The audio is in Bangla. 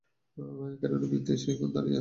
কেননা, মৃত্যু এসে এখন দাঁড়িয়েছে তার সামনে।